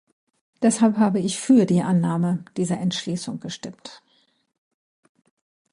Deshalb habe ich für die Annahme dieser Entschließung gestimmt.